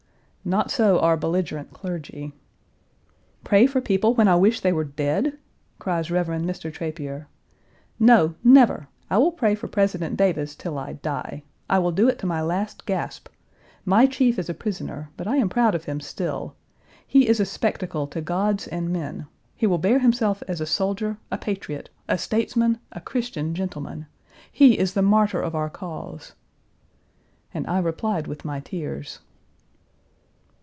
Not so our belligerent clergy. "Pray for people when I wish they were dead," cries Rev. Mr. Trapier. "No, never! I will pray for President Davis till I die. I will do it to my last gasp. My chief is a prisoner, but I am proud of him still. He is a spectacle to gods and men. He will bear himself as a soldier, a patriot, Page 395 a statesman, a Christian gentleman. He is the martyr of our cause." And I replied with my tears.